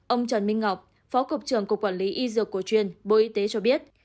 ông trần minh ngọc phó cục trưởng cục quản lý y dược cổ truyền bộ y tế cho biết